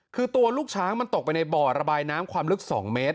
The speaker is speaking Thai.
คือตัวลูกช้างมันตกไปในบ่อระบายน้ำความลึก๒เมตร